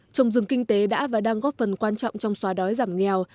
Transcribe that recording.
trồng rừng kinh tế đã và đang góp phần quan trọng trong xóa đói giảm nghèo